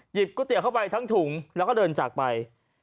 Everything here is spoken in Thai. ก๋วยเตี๋ยวเข้าไปทั้งถุงแล้วก็เดินจากไป